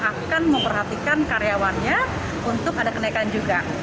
akan memperhatikan karyawannya untuk ada kenaikan juga